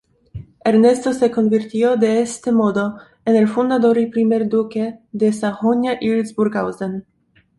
Ernesto se convirtió de este modo en el fundador y primer duque de Sajonia-Hildburghausen.